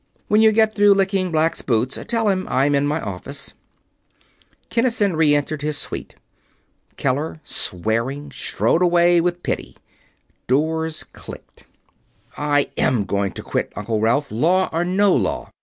When you get done licking Black's boots, tell him that I am in my office." Kinnison re entered his suite. Keller, swearing, strode away with Piddy. Doors clicked shut. "I am going to quit, Uncle Ralph, law or no law!"